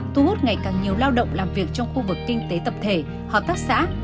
thu hút ngày càng nhiều lao động làm việc trong khu vực kinh tế tập thể hợp tác xã